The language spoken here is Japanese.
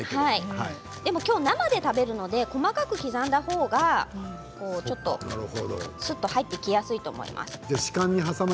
きょうは生で食べるので、細かく刻んだほうが入ってきやすいと思います。